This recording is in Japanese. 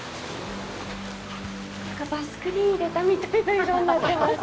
バスクリン入れたみたいな色になってます。